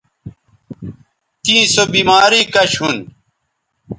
تیں سو بیماری کش ھون